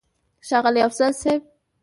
ښاغلی افضل صيب!!